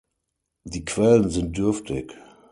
Die Quellen sind dürftig.